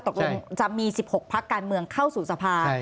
ตกลงจะมี๑๖พักการเมืองเข้าสู่สภา